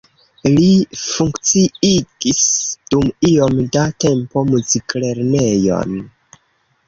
Li funkciigis dum iom da tempo muziklernejon.